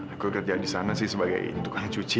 aku kerja disana sih sebagai tukang cuci